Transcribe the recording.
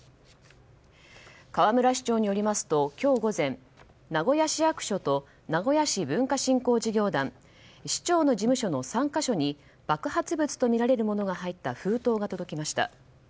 河村市長によりますと今日午前、名古屋市役所市長の事務所の３か所に爆発物とみられるものが入った封筒が届きました。